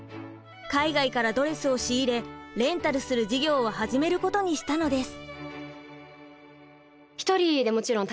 海外からドレスを仕入れレンタルする事業を始めることにしたのです。